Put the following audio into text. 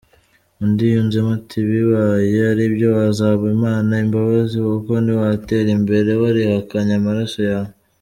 Undi yunzemo ati " Bibaye aribyo wazasaba imana imbabazi kuko niwatera imbere warihakanye amaraso yawe ".